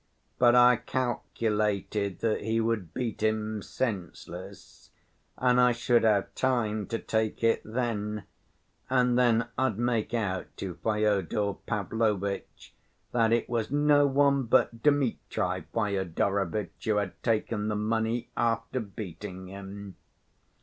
But I calculated that he would beat him senseless, and I should have time to take it then, and then I'd make out to Fyodor Pavlovitch that it was no one but Dmitri Fyodorovitch who had taken the money after beating him."